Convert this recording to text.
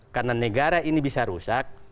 karena negara ini bisa rusak